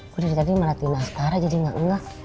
gue dari tadi malah tina sekarang jadi gak ngeh